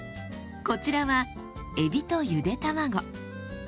こちらはえびとゆで卵。